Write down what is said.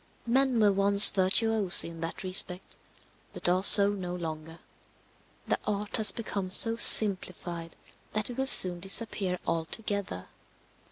Men were once virtuosi in that respect, but are so no longer; the art has become so simplified that it will soon disappear altogether.